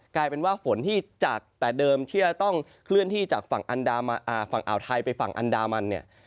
กลายเป็นว่าฝนที่จากแต่เดิมที่จะต้องเคลื่อนที่จากฝั่งอ่าวไทยไปฝั่งอันดามันเนี่ย